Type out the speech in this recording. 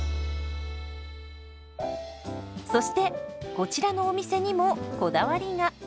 そしてこちらのお店にもこだわりが。